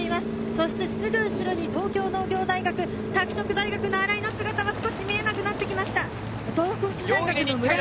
そしてすぐ後ろに東京農業大学、拓殖大学の新井が姿は見えなくなってきました。